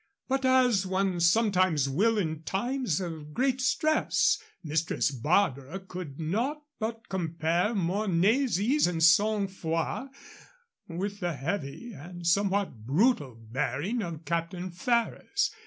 But, as one sometimes will in times of great stress, Mistress Barbara could not but compare Mornay's ease and sang froid with the heavy and somewhat brutal bearing of Captain Ferrers.